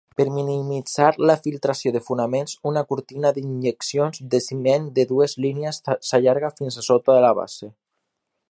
Per minimitzar la filtració de fonaments, una cortina d'injeccions de ciment de dues línies s'allarga fins a sota de la base.